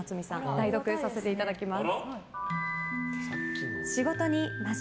代読させていただきます。